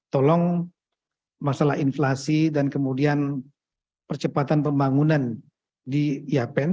tolong masalah inflasi dan kemudian percepatan pembangunan di yapen